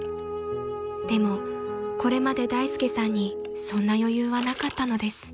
［でもこれまで大介さんにそんな余裕はなかったのです］